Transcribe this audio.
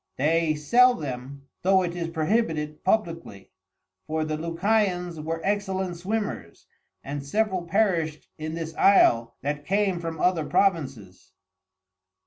They sell them (though it is prohibited) publickly; for the Lucayans were excellent Swimmers, and several perished in this Isle that came from other Provinces.